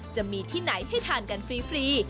จะมีที่ไหนให้ทานกันฟรี